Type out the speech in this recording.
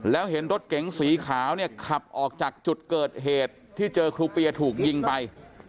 แล้วเห็นรถเก๋งสีขาวเนี่ยขับออกจากจุดเกิดเหตุที่เจอครูเปียถูกยิงไป